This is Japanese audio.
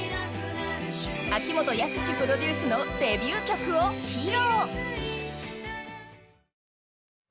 秋元康プロデュースのデビュー曲を披露。